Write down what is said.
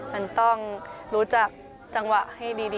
มันต้องรู้จักจังหวะให้ดี